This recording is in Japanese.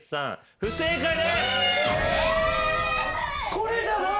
これじゃない！？